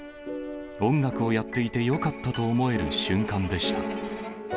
音楽をやっていてよかったと思える瞬間でした。